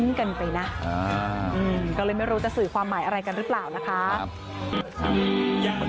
จะกินช็อคมิ้นท์ไม่อยากกินช็อคฟิล์ม